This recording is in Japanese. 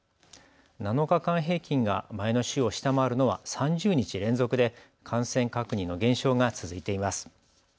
７日間平均が前の週を下回るのは３０日連続で感染確認の減少が続いています。